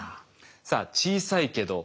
さあ小さいけどまあ